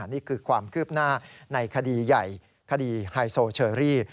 นี่คือความคืบหน้าในคดีใหญ่คดีไฮโซเชอรี่